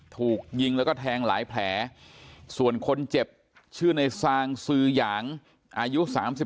ถูกยิงแล้วก็แทงหลายแผลส่วนคนเจ็บชื่อในซางซื้อหยางอายุ๓๒